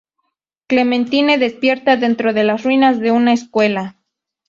Clementine despierta dentro de las ruinas de una escuela.